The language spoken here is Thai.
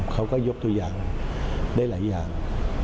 เขาก็ยกตัวอย่างได้หลายอย่าง